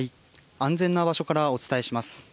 安全な場所からお伝えします。